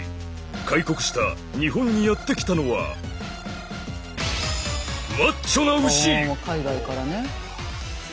開国した日本にやって来たのは海外からね。